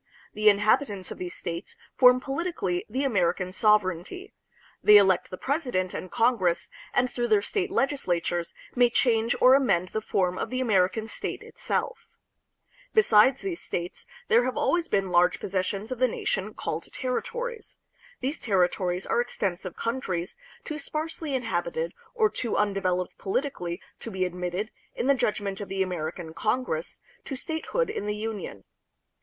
The inhabitants of these states form politically the American sovereignty. They elect the president and Congress, and through their state legislatures may change or amend the form of the American state itself. Besides these states, there have always been large pos sessions of the nation called territories. These territories are extensive countries, too sparsely inhabited or too un developed politically to be admitted, in the judgment of the American Congress, to statehood in the Union.